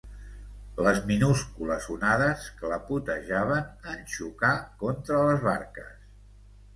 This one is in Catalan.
Les minúscules onades clapotejaven en xocar contra les barques.